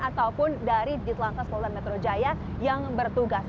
ataupun dari ditlanca sekolah metro jaya yang bertugas